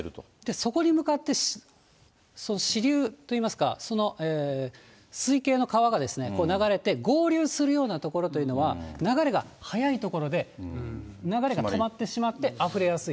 そこに向かって支流といいますか、水系の川が流れて、合流するような所というのは、流れが速い所で、流れが止まってしまってあふれやすい。